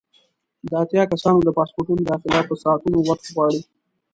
د اتیا کسانو د پاسپورټونو داخله به ساعتونه وخت وغواړي.